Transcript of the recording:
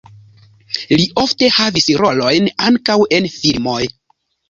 Li ofte havis rolojn ankaŭ en filmoj.